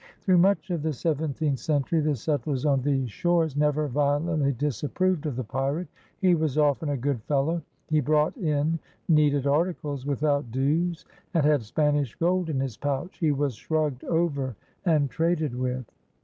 Throu^ much of the seventeenth century the settlers on these shores never violently dis approved of the pirate. He was often a "good fellow.'* He brought in needed articles without dues, and had Spanish gold in his pouch. He was shrugged over and traded with.